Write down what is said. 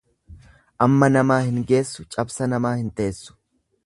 Amma namaa hin geessuu cabsa namaa hin teessu.